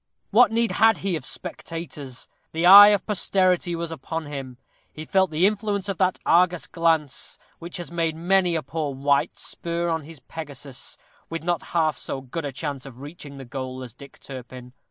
_ What need had he of spectators? The eye of posterity was upon him; he felt the influence of that Argus glance which has made many a poor wight spur on his Pegasus with not half so good a chance of reaching the goal as Dick Turpin.